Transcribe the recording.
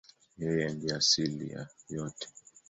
Yeye ndiye asili ya yote.